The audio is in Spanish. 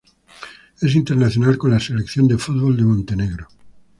Es internacional con la selección de fútbol de Montenegro.